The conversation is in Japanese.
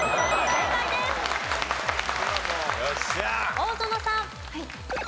大園さん。